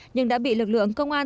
nhưng đã bị lực lượng công an